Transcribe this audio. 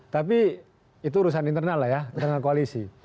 tapi itu urusan internal lah ya internal koalisi